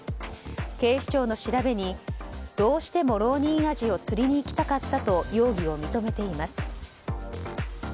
警視庁の調べにどうしてもロウニンアジを釣りに行きたかったと容疑を認めています。